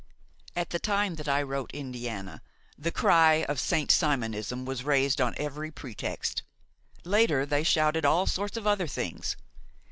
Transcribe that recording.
At the time that I wrote Indiana, the cry of Saint Simonism was raised on every pretext. Later they shouted all sorts of other things.